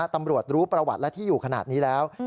ตำรวจรู้ประวัติและที่อยู่ขนาดนี้แล้ว